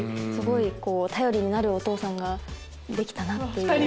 すごい頼りになるお父さんができたなっていう。